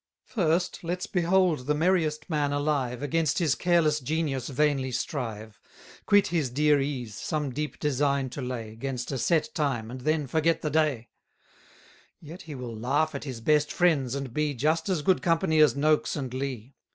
First, let's behold the merriest man alive Against his careless genius vainly strive; Quit his dear ease, some deep design to lay, 'Gainst a set time, and then forget the day: Yet he will laugh at his best friends, and be Just as good company as Nokes and Lee.